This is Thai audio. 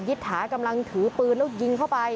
ิษฐากำลังถือปืนแล้วยิงเข้าไป